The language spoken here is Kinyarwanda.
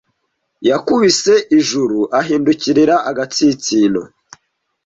Yakubise ijuru, ahindukirira agatsinsino.